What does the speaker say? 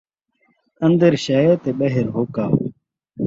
ان٘در شے تے ٻاہر ہوکا